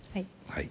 はい。